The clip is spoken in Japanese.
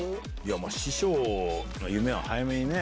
師匠の夢は早めにね。